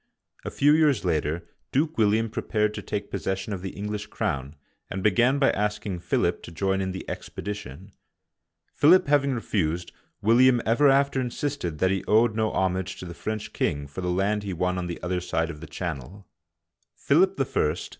A few years later Duke William prepared to take possession of the English crown, and began by asking Philip to join in the expedition. Philip having refused, William ever after in sisted that he owed no homage to the French king for the land he won on the other side of the Channel (1066).^ Philip I.